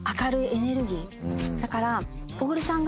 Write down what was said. だから。